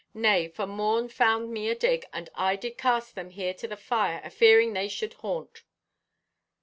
Nay, for morn found me adig, and I did cast them here to the fire, afearing they should haunt."